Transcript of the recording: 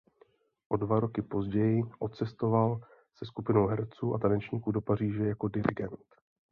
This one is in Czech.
O dva roky později odcestoval se skupinou herců a tanečníků do Paříže jako dirigent.